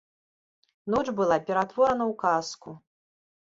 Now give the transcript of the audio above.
Ноч была ператворана ў казку.